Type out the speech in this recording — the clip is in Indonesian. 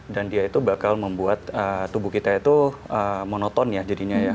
dan dia itu bakal membuat tubuh kita itu monoton jadinya ya